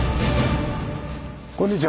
こんにちは。